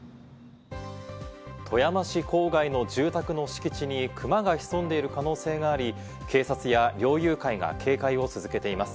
富山市郊外の住宅の敷地にクマが潜んでいる可能性があり、警察や猟友会が警戒を続けています。